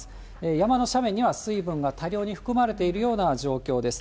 山の斜面には水分が多量に含まれているような状況です。